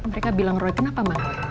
mereka bilang roy kenapa mas